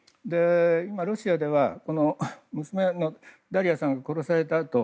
今、ロシアでは娘のダリヤさんが殺されたあと